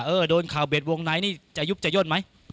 เออโดนเข่าเบียดวงไหนนี่จะยุบจะย่นมั้ย